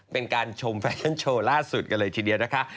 เป็นการชมแฟชั่นโชว์ล่าสุดกันเลยทีเดียวนะคะ